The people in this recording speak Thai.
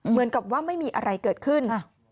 เหมือนกับว่าไม่มีอะไรเกิดขึ้น